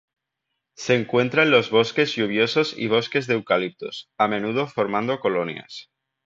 Se encuentra en los bosques lluviosos y bosques de eucaliptos, a menudo formando colonias.